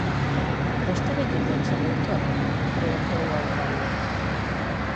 Vostede que pensa, doutor? −preguntou o alcaide.